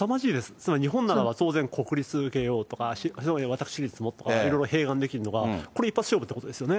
つまり日本ならば当然国立受けようとか、私立もとか、いろいろ併願できるのが、これ一発勝負ってことですよね。